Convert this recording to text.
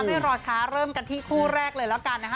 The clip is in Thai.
ไม่รอช้าเริ่มกันที่คู่แรกเลยแล้วกันนะคะ